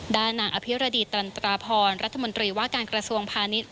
ด้านนางอภิรดีตันตราพรรัฐมนตรีว่าการกระทรวงพาณิชย์